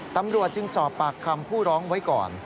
ตำรวจจึงสอบปากคำผู้ร้องไว้ก่อน